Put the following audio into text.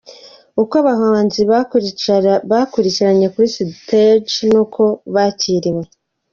Uko abahanzi bakurikiranye kuri stage n'uko bakiriwe.